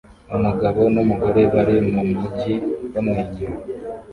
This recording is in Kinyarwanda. Umugabo numugore bari mumujyi bamwenyura